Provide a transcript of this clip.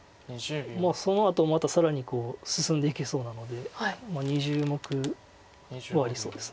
そのあともまた更に進んでいけそうなので２０目はありそうです。